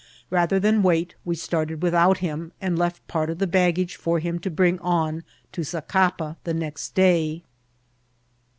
Bather than wait, we started without him, and left part of the baggage for him to bring on to Zacapa the next day.